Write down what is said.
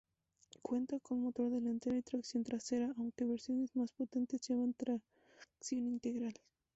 Cuenta con motor delantero y tracción trasera, aunque versiones más potentes llevan tracción integral.